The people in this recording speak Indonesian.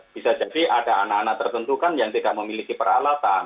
bisa jadi ada anak anak tertentu kan yang tidak memiliki peralatan